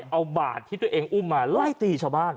เอาบาดที่ตัวเองอุ้มมาไล่ตีชาวบ้าน